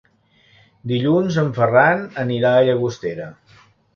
Dilluns en Ferran anirà a Llagostera.